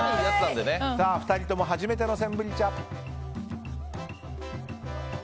２人とも初めてのセンブリ茶。